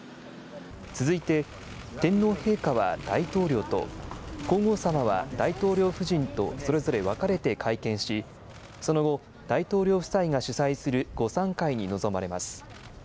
続いて、天皇陛下は大統領と、皇后さまは大統領夫人とそれぞれ分かれて会見し、その後、大統領夫妻が主催する午さん会に臨まれます。